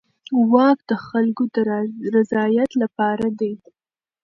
واک د خلکو د رضایت لپاره دی.